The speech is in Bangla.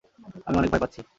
আমি অনেক ভয় পাচ্ছি।